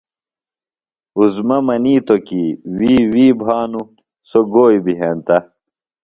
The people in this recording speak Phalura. عظمیٰ منِیتوۡ کی وی وی بھانُوۡ، سوۡ گوئی بیۡ ہنتہ۔